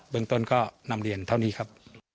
เมืองต้นก็นำเรียนเท่านี้ครับ